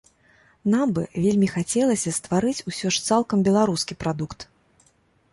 Нам бы вельмі хацелася стварыць усё ж цалкам беларускі прадукт.